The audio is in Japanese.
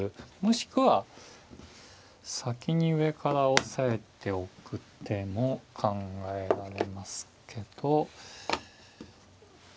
もしくは先に上から押さえておく手も考えられますけど。